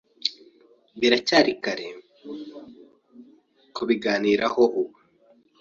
Biracyari kare kubiganiraho ubu.